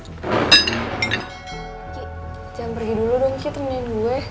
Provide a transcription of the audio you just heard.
ki jangan pergi dulu dong ki temenin gue